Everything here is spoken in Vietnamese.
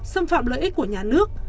xâm phạm lợi ích của nhà nước